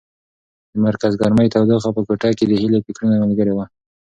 د مرکز ګرمۍ تودوخه په کوټه کې د هیلې د فکرونو ملګرې وه.